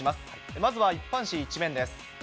まずは一般紙１面です。